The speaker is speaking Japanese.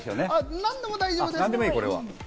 何でも大丈夫です。